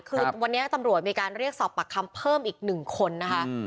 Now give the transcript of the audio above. คือวันนี้ตำรวจมีการเรียกสอบปากคำเพิ่มอีก๑คนนะคะ